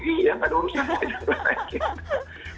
iya nggak ada urusan